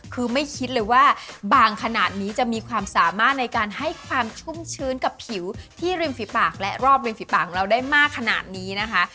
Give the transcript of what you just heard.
คือไม่คิดเลยว่าบางขนาดนี้จะมีความสามารถในการให้ความชุ่มชื้นกับผิวที่ริมฝีปากและรอบริมฝีปากของเราได้มากขนาดนี้นะคะ